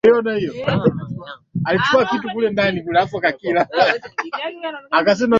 miongo iliyofuata Marekani ilitwaa maeneo yaliyowahi kubaki